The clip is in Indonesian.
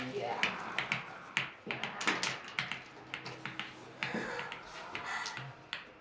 tapi saya tidak mau